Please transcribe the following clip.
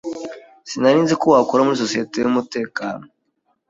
Sinari nzi ko wakoraga muri societe yumutekano.